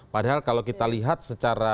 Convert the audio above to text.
padahal kalau kita lihat secara